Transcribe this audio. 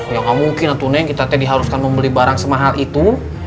ya nggak mungkin atau neng kita tadiharuskan membeli barang semahal itu